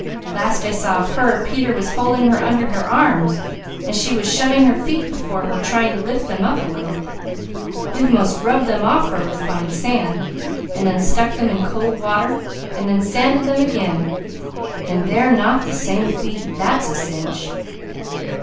Last I saw of her, Peter was holding her under her arms, and she was shoving her feet before her trying to lift them up a little. We've most rubbed them off her with fine sand, and then stuck them in cold water, and then sanded them again, and they're not the same feet that's a cinch!"